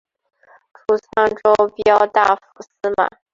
除沧州骠大府司马。